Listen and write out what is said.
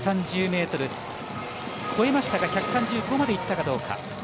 越えましたが１３５までいったかどうか。